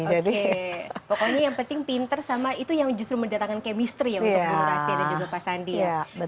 oke pokoknya yang penting pintar sama itu yang justru mendatangkan chemistry ya untuk generasi ada juga pak sandi ya